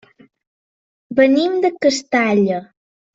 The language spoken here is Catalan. Venim de Castalla.